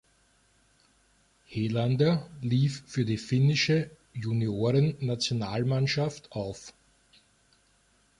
Helander lief für die finnische Juniorennationalmannschaft auf.